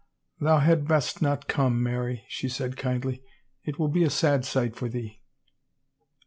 " Thou had best not come, Mary," she said kindly. It will be a sad sight for thee."